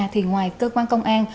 thì ngoài cơ quan công an